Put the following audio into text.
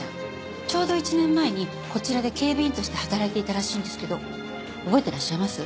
ちょうど１年前にこちらで警備員として働いていたらしいんですけど覚えてらっしゃいます？